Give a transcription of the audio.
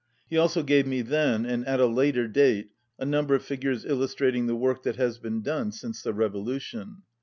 He also gave me then and at a later date a number of figures illustrating the work that has been done since the revolution.